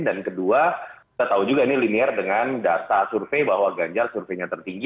dan kedua kita tahu juga ini linear dengan data survei bahwa ganjar surveinya tertinggi